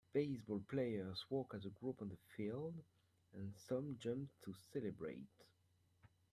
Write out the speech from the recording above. Baseball players walk as a group on the field, and some jump to celebrate.